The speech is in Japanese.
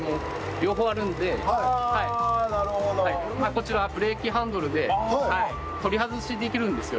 こちらブレーキハンドルで取り外しできるんですよ。